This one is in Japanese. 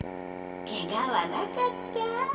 ケガはなかった？